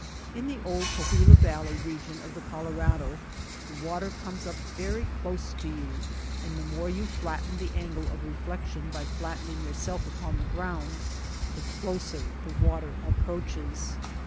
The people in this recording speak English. In the old Coa huila Valley region of the Colorado the water comes up very close to you and the more you flatten the angle of reflection by flattening your self upon the ground, the closer the water ap proaches.